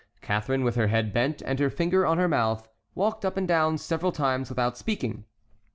Catharine, with her head bent and her finger on her mouth, walked up and down several times without speaking.